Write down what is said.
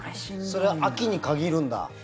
それは秋に限るんだ？